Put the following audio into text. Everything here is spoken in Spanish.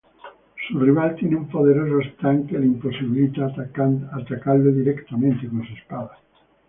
Su rival tiene un poderoso Stand que le imposibilita atacarlo directamente con su espada.